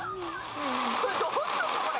・これどうすんのこれ！